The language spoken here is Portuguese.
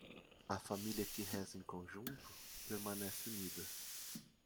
A família que reza em conjunto? permanece unida.